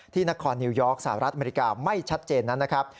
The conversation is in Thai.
นครนิวยอร์กสหรัฐอเมริกาไม่ชัดเจนนั้นนะครับ